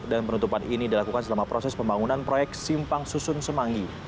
dan penutupan ini dilakukan selama proses pembangunan proyek simpang susun semanggi